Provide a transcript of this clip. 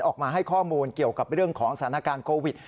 ออกมาให้ข้อมูลเกี่ยวกับเรื่องของสถานการณ์โควิด